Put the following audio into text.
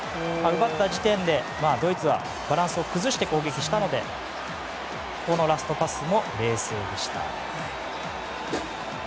奪った時点で、ドイツはバランスを崩して攻撃したのでラストパスも冷静でした。